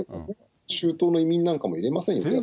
中東の移民なんかは入れませんですし。